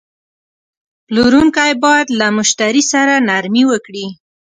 پلورونکی باید له مشتری سره نرمي وکړي.